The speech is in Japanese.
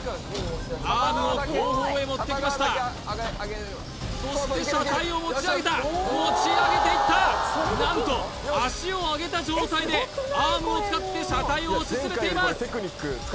アームを後方へ持ってきましたそして車体を持ち上げた持ち上げていった何と脚を上げた状態でアームを使って車体を押し進めています